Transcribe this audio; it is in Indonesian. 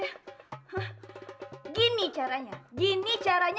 hah gini caranya gini caranya